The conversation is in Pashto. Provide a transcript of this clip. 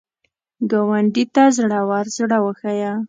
ګاونډي ته زړور زړه وښیه